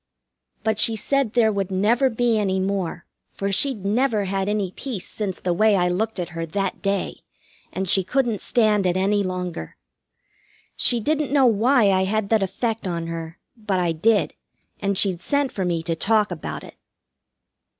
But she said there would never be any more, for she'd never had any peace since the way I looked at her that day, and she couldn't stand it any longer. She didn't know why I had that effect on her, but I did, and she'd sent for me to talk about it.